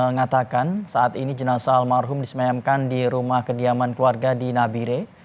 mengatakan saat ini jenazah almarhum disemayamkan di rumah kediaman keluarga di nabire